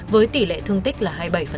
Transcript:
với tỷ lệ thương tích là hai mươi bảy